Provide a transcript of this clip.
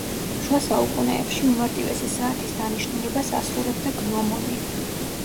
შუა საუკუნეებში უმარტივესი საათის დანიშნულებას ასრულებდა გნომონი.